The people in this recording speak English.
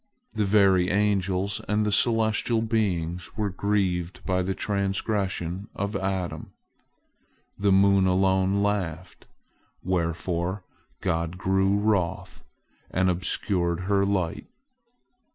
The very angels and the celestial beings were grieved by the trans gression of Adam. The moon alone laughed, wherefore God grew wroth, and obscured her light.